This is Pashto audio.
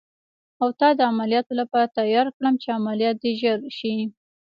او تا د عملیاتو لپاره تیار کړم، چې عملیات دې ژر شي.